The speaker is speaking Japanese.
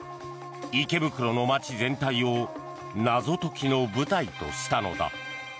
池袋の街全体を謎解きの舞台としたのだ。